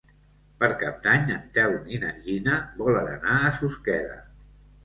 Per Cap d'Any en Telm i na Gina volen anar a Susqueda.